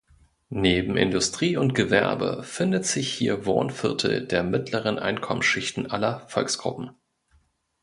Neben Industrie und Gewerbe findet sich hier Wohnviertel der mittleren Einkommensschichten aller Volksgruppen.